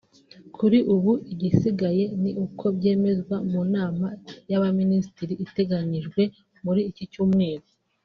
Kuri ubu igisigaye ni uko byemezwa mu nama y’abaminisitiri iteganyijwe muri iki cyumweru